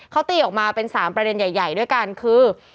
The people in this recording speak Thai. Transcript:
เขาตีออกมาเป็น๓ประเด็นใหญ่ด้วยกันคือ